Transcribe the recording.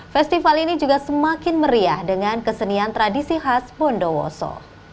festival ini juga semakin meriah dengan kesenian tradisi khas bondowoso